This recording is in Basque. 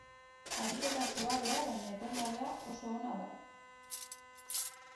Ariketa suabea baina etengabea oso ona da.